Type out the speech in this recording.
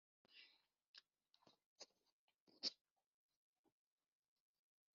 bishobora gukurikizwa mugihe habayeho iminduka